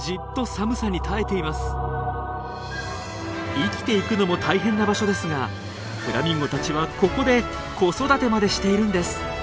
生きていくのも大変な場所ですがフラミンゴたちはここで子育てまでしているんです。